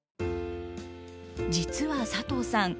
実は佐藤さん